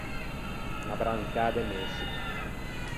Unna brancâ de nesci.